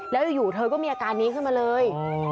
แล้วอยู่เธอก็มีอาการนี้ขึ้นมาเลย